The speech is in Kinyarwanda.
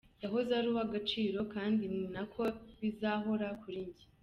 Yahoze ari uw’agaciro kandi ni nako bizahora kuri jye.